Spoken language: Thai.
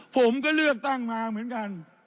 ผมก็เลือกตั้งมาเหมือนกัน